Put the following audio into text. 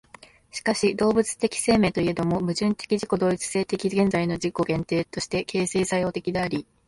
しかし動物的生命といえども、矛盾的自己同一的現在の自己限定として形成作用的であり、